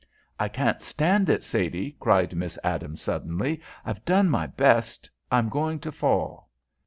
"I can't stand it, Sadie," cried Miss Adams, suddenly. "I've done my best. I'm going to fall."